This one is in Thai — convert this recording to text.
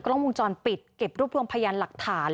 กล้องวงจรปิดเก็บรวบรวมพยานหลักฐาน